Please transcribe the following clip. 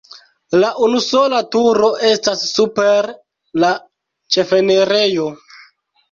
La unusola turo estas super la ĉefenirejo.